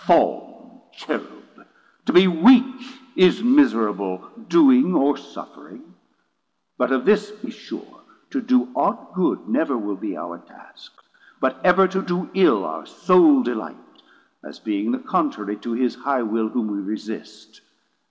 Fall'n Cherube, to be weak is miserable Doing or Suffering: but of this be sure, To do ought good never will be our task, But ever to do ill our sole delight, 160 As being the contrary to his high will Whom we resist.